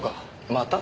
また？